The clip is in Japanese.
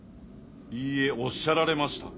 いいえおっしゃられました。